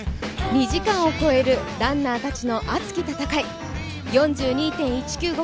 ２時間を超えるランナーたちの熱き戦い４２．１９５